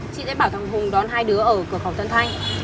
chị sẽ bảo thằng hùng đón hai đứa ở cửa khóa tân thanh